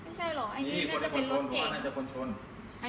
ไม่ใช่หรอกอันนี้น่าจะเป็นรถแกง